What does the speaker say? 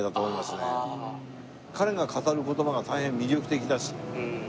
彼が語る言葉が大変魅力的だし。